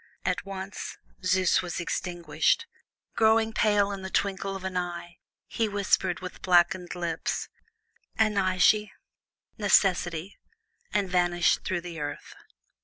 At once Zeus was extinguished. Growing pale in the twinkle of an eye, he whispered, with blackening lips, "[Greek: Anagkê]" ("Necessity"), and vanished through the earth.